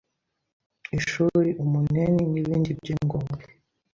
ishuri, umuneni n’ibindi bye ngombwe.